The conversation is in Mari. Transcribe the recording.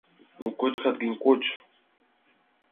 Ну, кочкат гын, коч!..